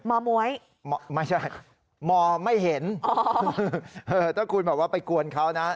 ม้วยไม่ใช่มอไม่เห็นถ้าคุณแบบว่าไปกวนเขานะ